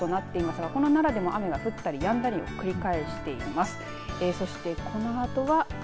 この１時間の雨の量ゼロとなっていますがこの奈良でも雨が降ったりやんだりを繰り返しています。